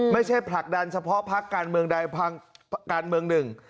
ไม่ใช่ผลักดันเฉพาะภาคการเมืองใดของปลังการเมืองหนึ่ง